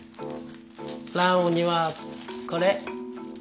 ランウにはこれ。